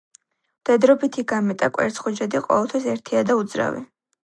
მდედრობითი გამეტა კვერცხუჯრედი ყოველთვის ერთია და უძრავი.